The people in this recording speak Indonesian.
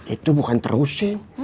itu bukan terusin